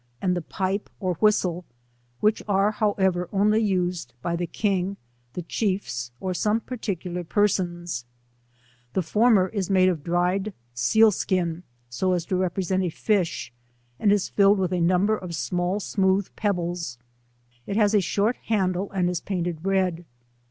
88 rJittie aod the pipe or whistle; these are however oaly used by the king, the chiefs, or some particu lar persons ; the former is made of dried seal slun, so as to represent a fish, and is filled with a num ber of small smooth j)ebbles, it has a short handle and is painted red.